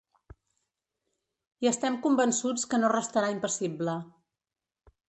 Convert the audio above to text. I estem convençuts que no restarà impassible.